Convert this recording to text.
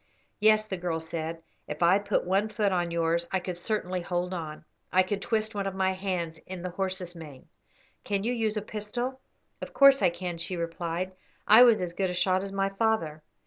"Yes," the girl said, "if I put one foot on yours I could certainly hold on. I could twist one of my hands in the horse's mane." "Can you use a pistol?" "Of course I can," she replied. "I was as good a shot as my father."